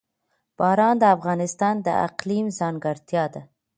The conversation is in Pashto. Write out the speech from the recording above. باران د افغانستان د اقلیم ځانګړتیا ده.